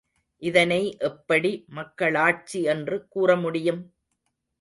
இதனை எப்படி மக்களாட்சி என்று கூறமுடியும்?